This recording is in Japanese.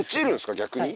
逆に。